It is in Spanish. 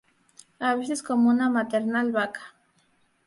A veces como una maternal vaca.